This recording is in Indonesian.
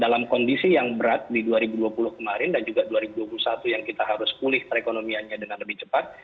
dalam kondisi yang berat di dua ribu dua puluh kemarin dan juga dua ribu dua puluh satu yang kita harus pulih perekonomiannya dengan lebih cepat